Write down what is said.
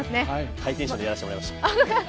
ハイテンションでやらせてもらいました。